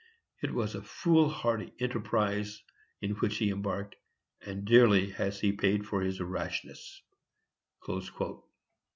It was a foolhardy enterprise in which he embarked, and dearly has he paid for his rashness."